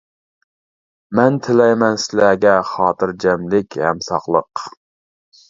مەن تىلەيمەن سىلەرگە، خاتىرجەملىك ھەم ساقلىق.